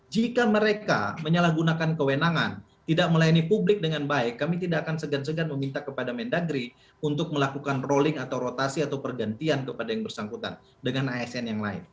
jika mereka menyalahgunakan kewenangan tidak melayani publik dengan baik kami tidak akan segan segan meminta kepada mendagri untuk melakukan rolling atau rotasi atau pergantian kepada yang bersangkutan dengan asn yang lain